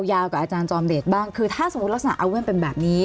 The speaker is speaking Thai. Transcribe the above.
กับอาจารย์จอมเดชบ้างคือถ้าสมมุติลักษณะอาเว่นเป็นแบบนี้